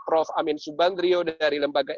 prof amin subandrio dari lembaga